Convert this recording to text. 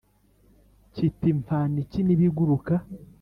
kiti mfana iki n’ibiguruka!?